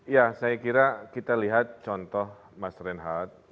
ya saya kira kita lihat contoh mas reinhardt